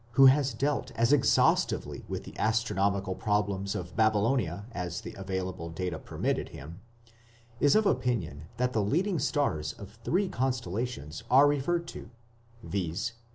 who has dealt as exhaustively with the astronomical problems of Babylonia as the available data permitted him, is of opinion that the leading stars of three constellations are referred to, viz.